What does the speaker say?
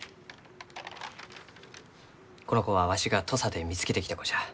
この子はわしが土佐で見つけてきた子じゃ。